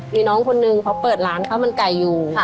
มีน้องคนนึงเขาเปิดร้านข้าวมันไก่อยู่